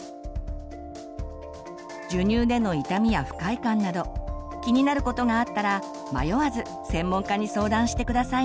授乳での痛みや不快感など気になることがあったら迷わず専門家に相談して下さいね。